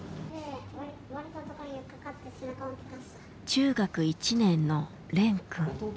中学１年のれんくん。